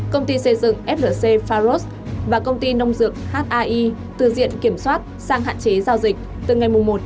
công ty xây dựng flc pharos và công ty nông dược hai từ diện kiểm soát sang hạn chế giao dịch